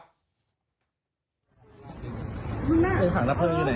ตรงหน้าหอละเพิงอยู่ในไหนรักฤทธิ์ไฟ